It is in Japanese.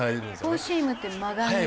フォーシームって曲がらない？